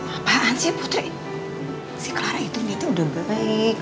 apaan sih putri si clara itu udah baik